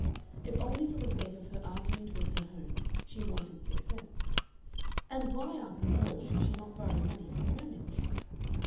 If only for the sake of her argument with her home, she wanted success. And why, after all, should she not borrow money from Ramage?